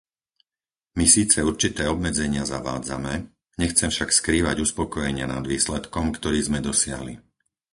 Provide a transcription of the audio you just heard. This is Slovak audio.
My síce určité obmedzenia zavádzame, nechcem však skrývať uspokojenie nad výsledkom, ktorý sme dosiahli.